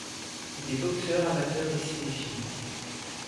Il est boxeur amateur et cinéphile.